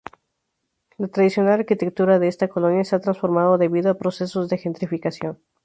La tradicional arquitectura de esta colonia se ha transformado debido a procesos de gentrificación.